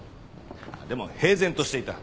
でも平然としていた。